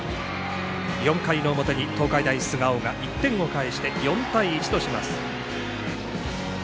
４回の表に東海大菅生が１点を返して、４対１とします。